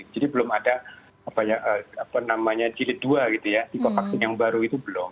jadi belum ada apa namanya jilid dua gitu ya tipe vaksin yang baru itu belum